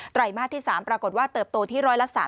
ไรมาสที่๓ปรากฏว่าเติบโตที่๑๓